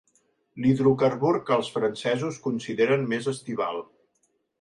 L'hidrocarbur que els francesos consideren més estival.